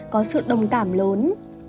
có sự đồng cảm lớn